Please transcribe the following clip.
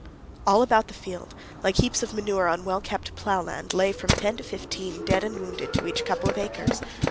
All about the field, like heaps of manure on well kept plowland, lay from ten to fifteen dead and wounded to each couple of acres.